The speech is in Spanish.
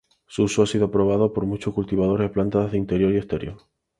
Su uso ha sido aprobado por muchos cultivadores de plantas de interior y exterior.